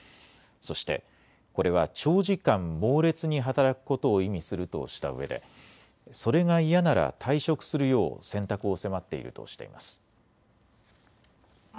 そしてこれは長時間、猛烈に働くことを意味するとしたうえで、それが嫌なら退職するよう選択を迫っているとしています。